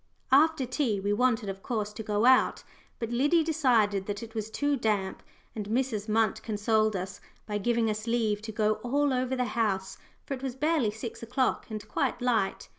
After tea we wanted, of course, to go out, but Liddy decided that it was too damp, and Mrs. Munt consoled us by giving us leave to go all over the house, for it was barely six o'clock and quite light.